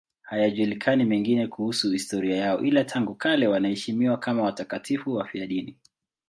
Hayajulikani mengine kuhusu historia yao, ila tangu kale wanaheshimiwa kama watakatifu wafiadini.